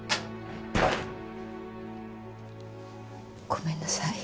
ごめんなさい。